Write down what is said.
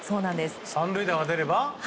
３塁打が出れば。